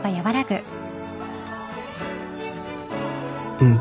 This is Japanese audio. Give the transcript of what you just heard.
うん。